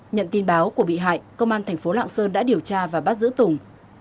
nhận tin báo của bị hại công an thành phố lạng sơn đã điều tra và bắt giữ tùng